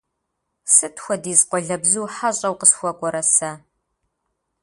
Сыт хуэдиз къуалэбзу хьэщӀэу къысхуэкӀуэрэ сэ!